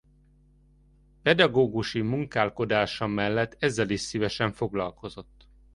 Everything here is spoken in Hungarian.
Pedagógusi munkálkodása mellett ezzel is szívesen foglalkozott.